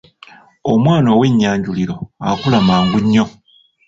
Omwana ow’Ennyanjuliro akula mangu nnyo.